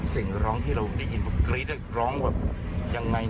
เสียงร้องที่เราได้ยินกรี๊ดร้องแบบยังไง